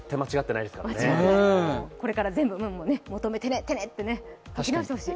これからも全部「てね」って書き直してほしい。